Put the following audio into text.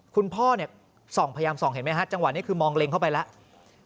คุณพ่อเนี่ยส่องพยายามส่องเห็นไหมฮะจังหวะนี้คือมองเล็งเข้าไปแล้ว